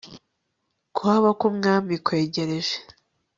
kuhaba k Umwami kwegereje